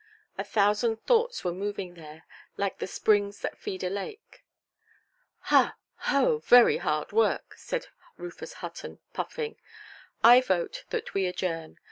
A thousand thoughts were moving there, like the springs that feed a lake. "Hah, ho, very hard work"! said Rufus Hutton, puffing; "I vote that we adjourn.